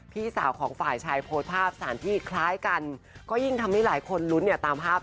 พี่สาวของฝ่ายชายโพสต์ภาพสถานที่คล้ายกันก็ยิ่งทำให้หลายคนลุ้นเนี่ยตามภาพ